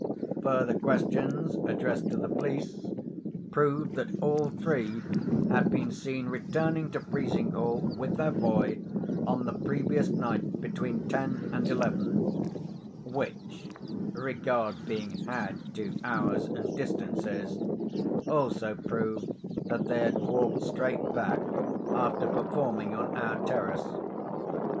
Further questions addressed to the police, proved that all three had been seen returning to Frizinghall with their boy, on the previous night between ten and eleven—which (regard being had to hours and distances) also proved that they had walked straight back after performing on our terrace.